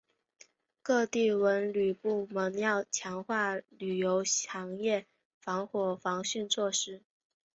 各地文旅部门要强化旅游行业防火防汛措施